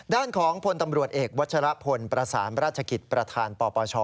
ด้านของพลตำรวจเอกวัชรพลประสานราชกิจประธานปปช